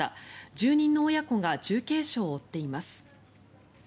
住人の親子が重軽傷を負っています。